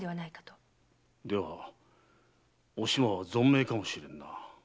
ではお島は存命かもしれんな。